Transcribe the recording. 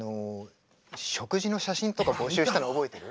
食事の写真とか募集したの覚えてる？